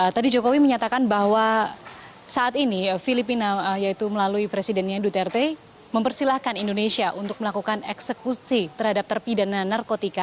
tadi jokowi menyatakan bahwa saat ini filipina yaitu melalui presidennya duterte mempersilahkan indonesia untuk melakukan eksekusi terhadap terpidana narkotika